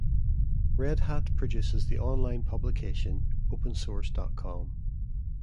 Red Hat produces the online publication Opensource dot com.